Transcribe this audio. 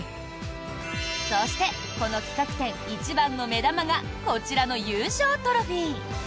そしてこの企画展一番の目玉がこちらの優勝トロフィー。